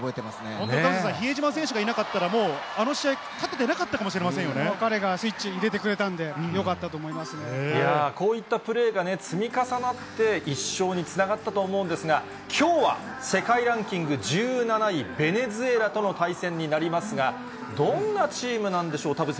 本当、田臥さん、比江島選手がいなかったら、もうあの試合、勝ててなかったか彼がスイッチを入れてくれたこういったプレーがね、積み重なって、一勝につながったと思うんですが、きょうは世界ランキング１７位、ベネズエラとの対戦になりますが、どんなチームなんでしょう？